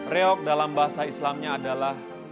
reok dalam bahasa islamnya adalah